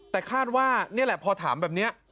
แต่คาดว่านี่แหละพอถามแบบนี้